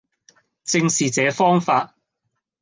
正是這方法。